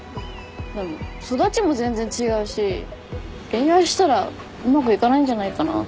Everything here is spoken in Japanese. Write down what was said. でも育ちも全然違うし恋愛したらうまくいかないんじゃないかなぁ。